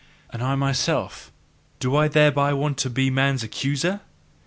And I myself do I thereby want to be man's accuser?